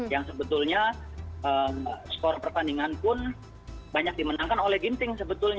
yang sebetulnya skor pertandingan pun banyak dimenangkan oleh ginting sebetulnya